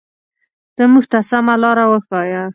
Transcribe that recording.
ته مونږ ته سمه لاره وښایه.